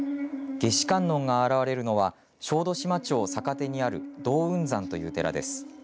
夏至観音が現れるのは小豆島町坂手にある洞雲山という寺です。